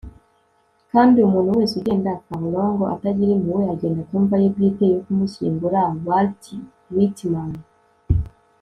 kandi umuntu wese ugenda furlong atagira impuhwe agenda ku mva ye bwite yo kumushyingura - walt whitman